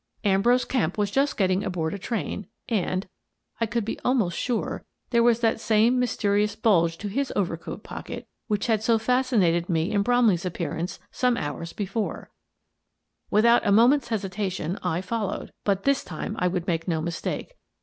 Ambrose Kemp was just getting aboard a train and — I could be almost sure — there was that same mysterious bulge to his overcoat pocket which had so fascinated me in Bromley's appearance some hours before I Without a moment's hesitation, I followed. But this time I would make no mistake.